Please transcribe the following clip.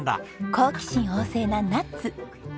好奇心旺盛なナッツ。